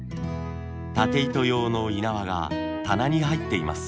たて糸用のい縄が棚に入っています。